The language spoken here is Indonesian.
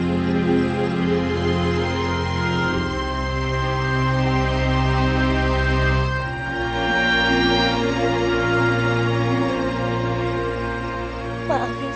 aku ingin mencari kamu